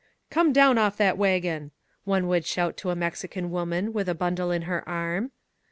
"Come down off that wagon !" one would shout to a Mexican woman with a bundle in her arm.